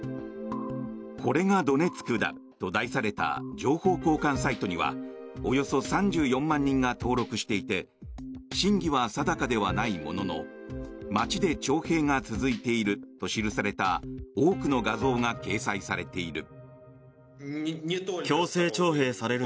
「これがドネツクだ」と題された情報交換サイトにはおよそ３４万人が登録していて真偽は定かではないものの街で徴兵が続いていると記された多くの画像が掲載されている。